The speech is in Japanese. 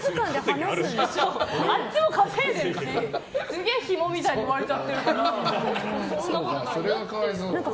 あっちも稼いでるしすげえヒモみたいに言われちゃってるからそんなことないと。